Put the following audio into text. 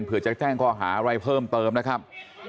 เพื่อจะแจ้งข้อหาอะไรเพิ่มเติมนะครับ